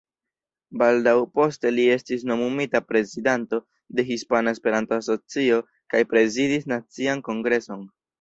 Baldaŭ poste li estis nomumita prezidanto de Hispana Esperanto-Asocio kaj prezidis nacian Kongreson.